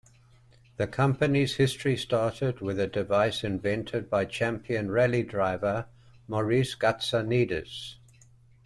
The company's history started with a device invented by champion rally driver Maurice Gatsonides.